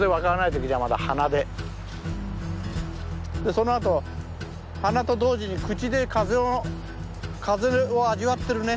そのあと鼻と同時に口で風を味わってるね。